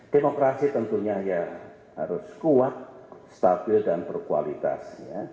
demokrasi tentunya ya harus kuat stabil dan berkualitas